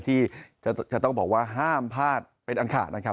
ที่จะต้องบอกว่าห้ามพลาดเป็นอังคารนะครับ